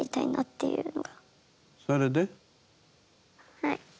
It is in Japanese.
はい。